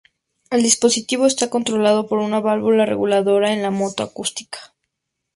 El dispositivo está controlado por una válvula reguladora en la moto acuática.